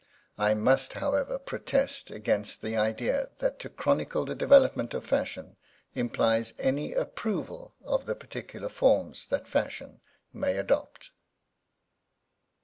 I must, however, protest against the idea that to chronicle the development of Fashion implies any approval of the particular forms that Fashion may adopt.